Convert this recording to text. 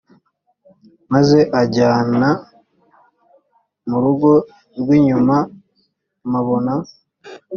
maze anjyana mu rugo rw’ inyuma mpabona